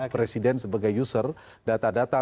presiden sebagai user data data